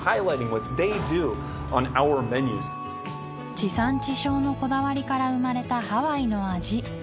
地産地消のこだわりから生まれたハワイの味